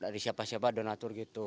dari siapa siapa donatur gitu